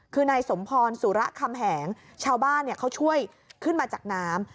คือนายสมพรสุระคำแหงชาวบ้านเขาช่วยขึ้นมาจากน้ำ